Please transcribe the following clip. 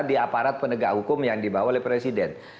di aparat penegak hukum yang dibawa oleh presiden